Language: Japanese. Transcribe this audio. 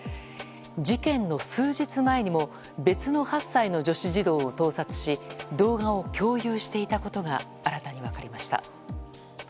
事件の数日前にも別の８歳の女子児童を盗撮し動画を共有していたことが新たに分かりました。